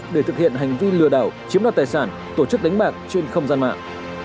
để thực hiện hành vi lừa đảo chiếm đoạt tài sản tổ chức đánh bạc trên không gian mạng